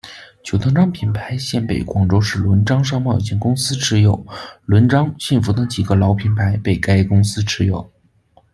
九同章品牌现被广州市纶章商贸有限公司持有，纶章、信孚等几个老品牌被该公司持有。